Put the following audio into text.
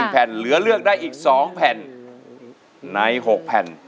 เหลือเลือกได้อีกสองแผ่นในหกแผ่น